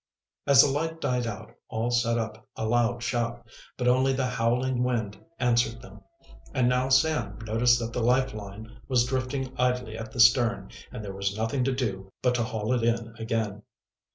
As the light died out all set up a loud shout. But only the howling wind answered them. And now Sam noticed that the lifeline was drifting idly at the stern, and there was nothing to do but to haul it in again.